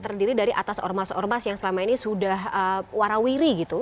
terdiri dari atas ormas ormas yang selama ini sudah warawiri gitu